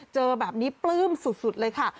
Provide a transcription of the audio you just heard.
เจอแบบนี้ปลื้มสุดเลยค่ะ